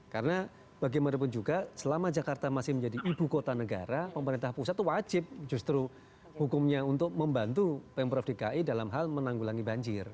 karena bagaimanapun juga selama jakarta masih menjadi ibu kota negara pemerintah pusat itu wajib justru hukumnya untuk membantu pemprov dki dalam hal menanggulangi banjir